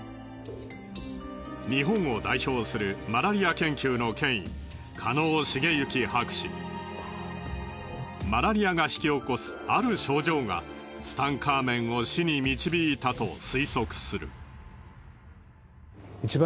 日本を代表するマラリア研究の権威マラリアが引き起こすある症状がツタンカーメンを死に導いたと推測する。